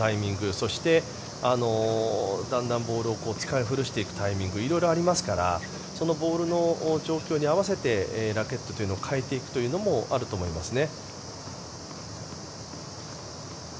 そして、だんだんボールを使い古していくタイミング色々ありますからそのボールの状況に合わせてラケットというのを変えていくというのもあると思いますね。